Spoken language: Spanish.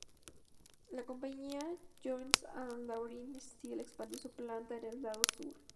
La compañía Jones and Laughlin Steel expandió su planta en el lado Sur.